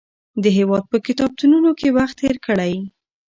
د هېواد په کتابتونونو کې وخت تېر کړئ.